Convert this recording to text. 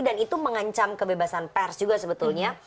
dan itu mengancam kebebasan pers juga sebetulnya